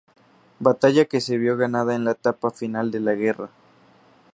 Batalla que se vio ganada en la etapa final de la Guerra.